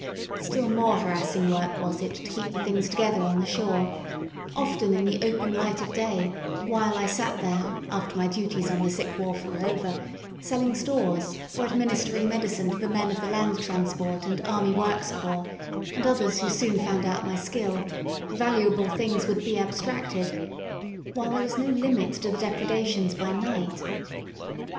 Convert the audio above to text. Still more harassing work was it to keep the things together on the shore: often in the open light of day, while I sat there (after my duties on the sick wharf were over) selling stores, or administering medicine to the men of the Land Transport and Army Works Corps, and others, who soon found out my skill, valuable things would be abstracted; while there was no limit to the depredations by night.